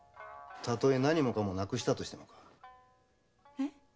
たとえ何もかもなくしたとしても？え？